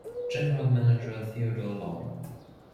General Manager Theodore Long.